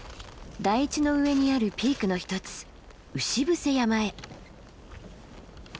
台地の上にあるピークの一つ牛伏山へ。